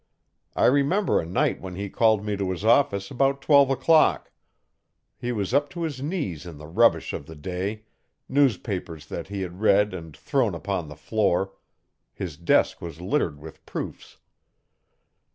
I remember a night when he called me to his office about twelve o clock. He was up to his knees in the rubbish of the day newspapers that he had read and thrown upon the floor; his desk was littered with proofs.